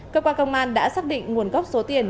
cơ quan công an đã xác định nguồn gốc số tiền